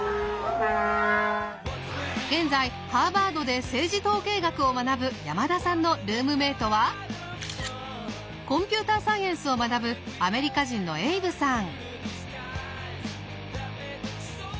現在ハーバードで政治統計学を学ぶ山田さんのルームメートはコンピューターサイエンスを学ぶアメリカ人のエイブさん。